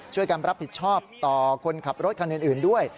ช่วยการรับผิดชอบต่อคนขับรถอื่นด้วย